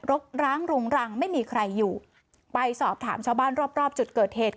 กร้างรุงรังไม่มีใครอยู่ไปสอบถามชาวบ้านรอบรอบจุดเกิดเหตุ